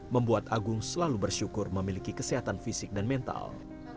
membuat agung selalu bersyukur memiliki kesehatan fisik dan mental